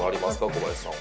小林さん。